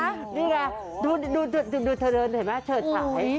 นี่แหละดูเธอเลยเห็นไหมเฉิดฉาย